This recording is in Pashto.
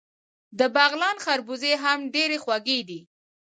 د بغلان خربوزې هم ډیرې خوږې دي.